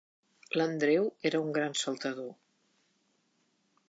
L'Andreu era un gran saltador.